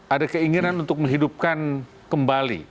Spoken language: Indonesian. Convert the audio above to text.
ada keinginan untuk menghidupkan kembali